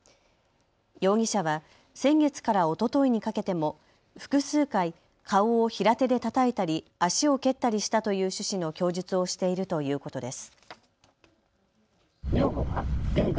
容疑者は先月からおとといにかけても複数回顔を平手でたたいたり足を蹴ったりしたという趣旨の供述をしているということです。